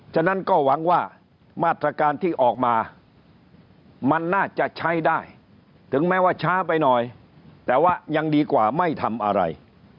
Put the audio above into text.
ฉะนั้นก็หวังว่ามาตรการที่ออกมามันน่าจะใช้ได้ถึงแม้ว่าช้าไปหน่อยแต่ว่ายังดีกว่าไม่ทำอะไร